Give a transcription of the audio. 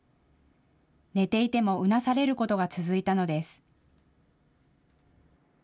寝ていても、うなされることが続いたのです。